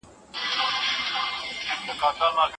ځینې کرکټرونه غیرطبیعي ښکاري.